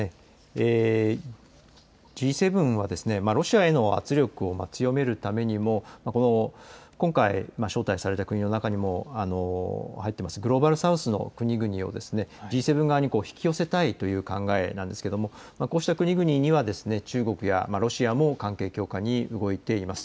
Ｇ７はロシアへの圧力を強めるためにも今回招待された国の中にも入っているグローバル・サウスの国々をＧ７側に引き寄せたいという考えなんですけれどもこうした国々には中国やロシアも関係強化に動いています。